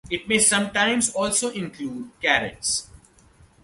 It may sometimes also include carrots.